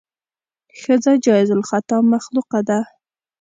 ښځه جایز الخطا مخلوقه ده.